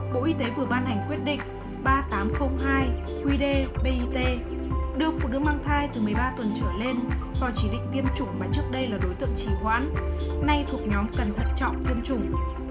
bộ y tế vừa ban hành quyết định ba nghìn tám trăm linh hai qd bit đưa phụ nữ mang thai từ một mươi ba tuần trở lên vào chỉ định tiêm chủng mà trước đây là đối tượng chỉ hoãn nay thuộc nhóm cần thận trọng tiêm chủng